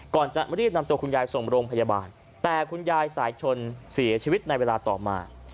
ก่อนจะรีบนำตัวคุณยายส่งโรงพยาบาลแต่คุณยายสายชนเสียชีวิตในเวลาต่อมา